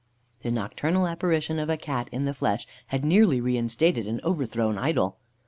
The nocturnal apparition of a Cat in the flesh had nearly reinstated an overthrown idol.